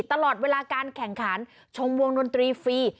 ตลอดเวลาการแข่งขันชมวงดนตรีฟรี